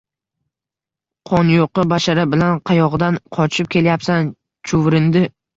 – Qonyuqi bashara bilan qayoqdan qochib kelyapsan, chuvrindi?